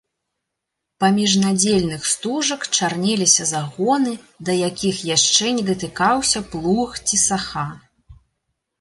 Паміж надзельных стужак чарнеліся загоны, да якіх яшчэ не датыкаўся плуг ці саха.